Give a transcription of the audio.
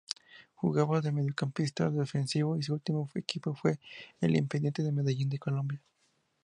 Jugaba de mediocampista defensivo y su último equipo fue Independiente Medellín de Colombia.